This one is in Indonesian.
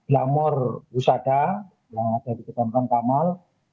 lamor busada dari ketamkan kamal